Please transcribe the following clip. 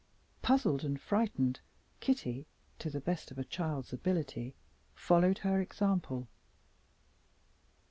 Puzzled and frightened, Kitty (to the best of a child's ability) followed her example.